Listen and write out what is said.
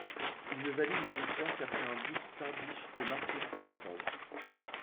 Il ne valident leur victoire qu’après un but tardif de Martin Comerford.